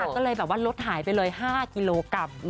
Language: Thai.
น้ำหนักก็เลยลดหายไปเลย๕กิโลกรัม